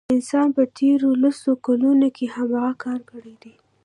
انسان په تیرو لسو کلونو کې همدغه کار کړی دی.